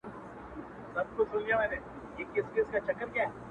چپ سه چـــپ ســــه نور مــه ژاړه-